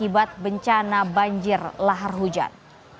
akibat bencana banjir lahar hujan